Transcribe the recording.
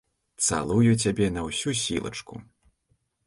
Цалую цябе на ўсю сілачку.